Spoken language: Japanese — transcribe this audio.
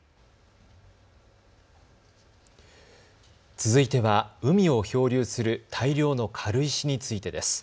続いては海を漂流する大量の軽石についてです。